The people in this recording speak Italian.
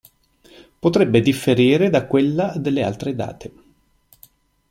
Potrebbe differire da quella delle altre date.